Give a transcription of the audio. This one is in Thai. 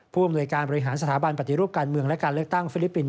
ผู้อำนวยการบริหารสถาบันปฏิรูปการเมืองและการเลือกตั้งฟิลิปปินส